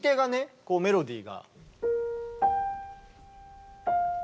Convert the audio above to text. こうメロディーが。